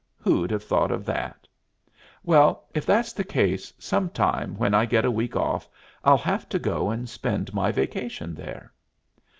Who'd have thought that? Well, if that's the case, some time when I get a week off I'll have to go and spend my vacation there!"